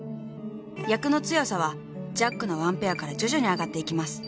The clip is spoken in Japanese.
［役の強さはジャックの１ペアから徐々に上がっていきます］